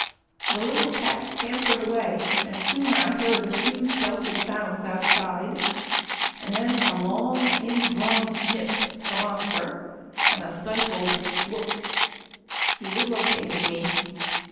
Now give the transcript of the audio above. The little cat scampered away, and soon I heard a few stealthy sounds outside, and then a long indrawn sniff from Oscar, and a stifled "Woof!" He was locating me.